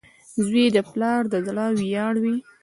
• زوی د پلار د زړۀ ویاړ وي.